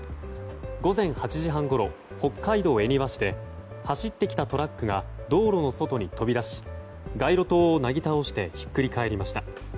午前８時半ごろ北海道恵庭市で走ってきたトラックが道路の外に飛び出し街路灯をなぎ倒してひっくり返りました。